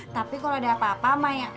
tapi kalo ada apa apa mak yang